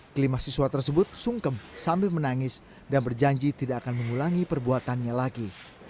kelima siswa tersebut sungkem sambil menangis dan berjanji tidak akan mengulangi perbuatannya lagi